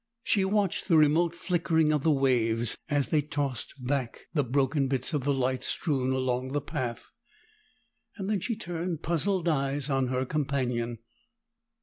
She watched the remote flickering of the waves as they tossed back the broken bits of the light strewn along the path. Then she turned puzzled eyes on her companion.